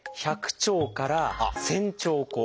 １００兆から１，０００兆個。